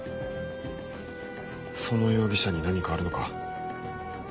その容疑者に何かあるのか？